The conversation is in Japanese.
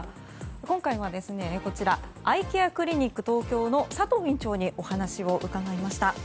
今回はアイケアクリック東京の佐藤院長にお話を伺いました。